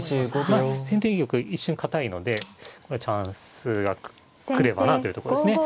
まあ先手玉一瞬堅いのでチャンスが来ればなあというとこですね。